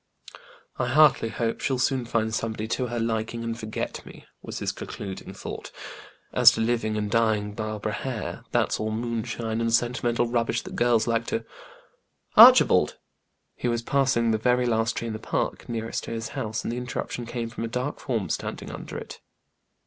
"I heartily hope she'll soon find somebody to her liking and forget me," was his concluding thought. "As to living and dying Barbara Hare, that's all moonshine, and sentimental rubbish that girls like to " "Archibald!" He was passing the very last tree in the park, the nearest to his house, and the interruption came from a dark form standing under it.